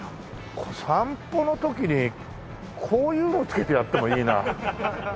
散歩の時にこういうのをつけてやってもいいな。